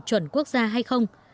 chuẩn quốc gia hay không